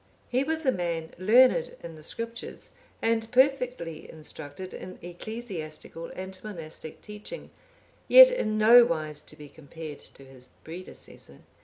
(808) He was a man learned in the Scriptures, and perfectly instructed in ecclesiastical and monastic teaching, yet in no wise to be compared to his predecessor.